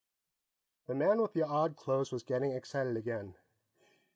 The man with the odd clothes was getting excited again.